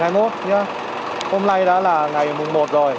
hôm nay đó là ngày mùng một rồi